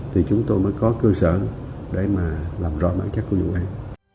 thì chúng tôi mới có cơ sở để mà làm rõ bản chất của vụ án